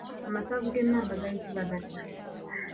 Amasavu g'emmamba gayitibwa gatya?